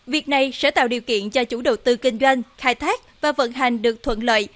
việc này sẽ tạo điều kiện cho chủ đầu tư kinh doanh khai thác và vận hành được thuận lợi